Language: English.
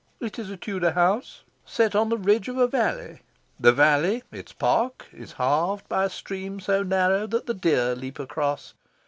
It is a Tudor house, set on the ridge of a valley. The valley, its park, is halved by a stream so narrow that the deer leap across.